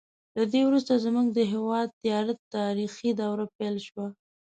له دې وروسته زموږ د هېواد تیاره تاریخي دوره پیل شوه.